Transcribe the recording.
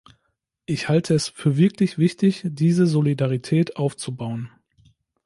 Ich halte es für wirklich wichtig, diese Solidarität aufzubauen.